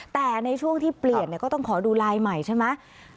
แต่ในช่วงที่เปลี่ยนก็ต้องขอดูลายใหม่ใช่ไหม